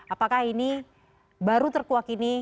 apakah ini baru terkuak ini